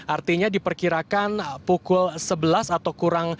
artinya diperkirakan pukul sebelas atau dua belas